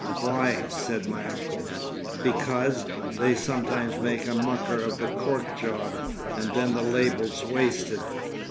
"Why?" said my uncle. "Because—they sometimes make a mucker of the cork job, and then the label's wasted."